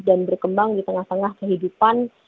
dan berkembang di tengah tengah kehidupan